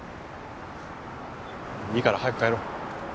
いいから早く帰ろう。